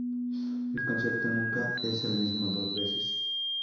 El concierto nunca es el mismo dos veces".